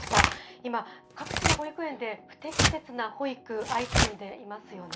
今、各地の保育園で不適切な保育、相次いでいますよね。